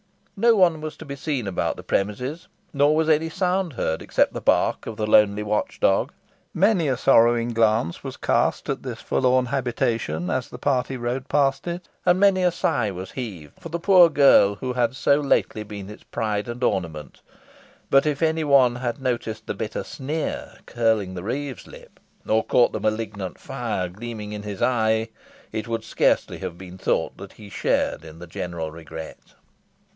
No one was to be seen about the premises, nor was any sound heard except the bark of the lonely watch dog. Many a sorrowing glance was cast at this forlorn habitation as the party rode past it, and many a sigh was heaved for the poor girl who had so lately been its pride and ornament; but if any one had noticed the bitter sneer curling the reeve's lip, or caught the malignant fire gleaming in his eye, it would scarcely have been thought that he shared in the general regret.